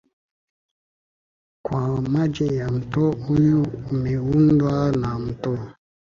wa maji ya mto huu umeundwa na mto